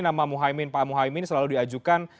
nama muhaimin pak muhaimin selalu diajukan